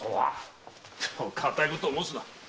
そう堅いことを申すな。